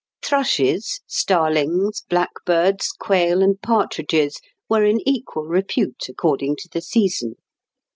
Thrushes, starlings, blackbirds, quail, and partridges were in equal repute according to the season.